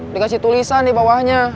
dikasih tulisan di bawahnya